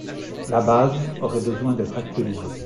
La base aurait besoin d'être actualisée.